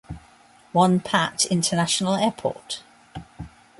Won Pat International Airport.